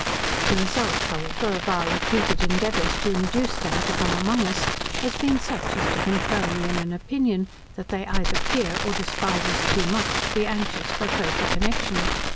The result, however, of our repeated endeavours to induce them to come among us has been such as to confirm me in an opinion, that they either fear or despise us too much, to be anxious for a closer connection.